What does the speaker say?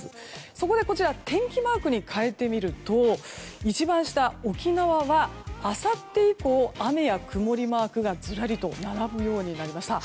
そこで天気マークに変えてみると一番下、沖縄はあさって以降、雨や曇りマークがずらりと並ぶようになりました。